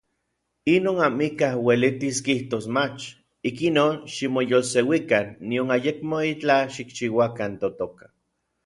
Inon amikaj uelitis kijtos mach. Ikinon ximoyolseuikan nion ayekmo itlaj xikchiuakan totoka.